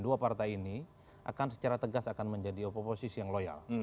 dua partai ini akan secara tegas akan menjadi oposisi yang loyal